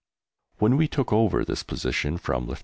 When we took over this position from Lieut.